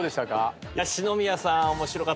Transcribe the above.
篠宮さん。